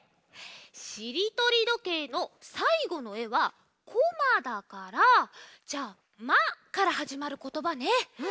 しりとりどけいのさいごのえは「こま」だからじゃあ「ま」からはじまることばね！